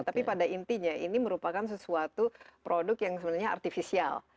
tapi pada intinya ini merupakan sesuatu produk yang sebenarnya artifisial